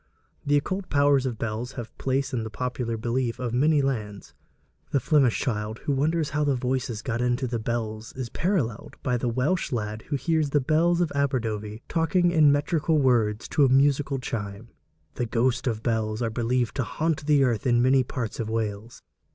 The occult powers of bells have place in the popular belief of many lands. The Flemish child who wonders how the voices got into the bells is paralleled by the Welsh lad who hears the bells of Aberdovey talking in metrical words to a musical chime. The ghosts of bells are believed to haunt the earth in many parts of Wales.